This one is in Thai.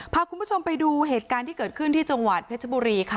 พาคุณผู้ชมไปดูเหตุการณ์ที่เกิดขึ้นที่จังหวัดเพชรบุรีค่ะ